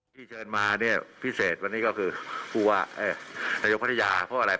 ที่เชิญมาเนี่ยพิเศษวันนี้ก็คือผู้ว่านายกพัทยาเพราะอะไร